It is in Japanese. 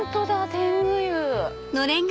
天狗湯。